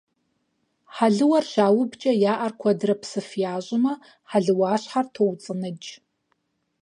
Хьэлыуэр щаубэкӀэ я Ӏэр куэдрэ псыф ящӀмэ, хьэлыуащхьэр тоуцӀы-ныкӀ.